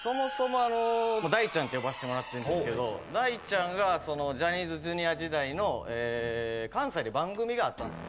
大ちゃんって呼ばせてもらってるんですけど大ちゃんがジャニーズＪｒ．時代の関西で番組があったんす。